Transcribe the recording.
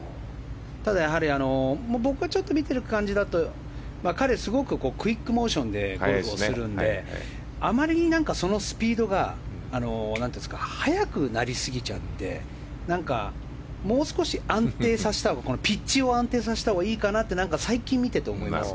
ただ、僕が見ている感じだと彼、すごくクイックモーションでゴルフをするのであまりスピードが速くなりすぎちゃってもう少しピッチを安定させたほうがいいかなって最近見てて思います。